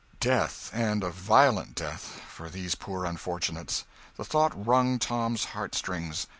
Death and a violent death for these poor unfortunates! The thought wrung Tom's heart strings.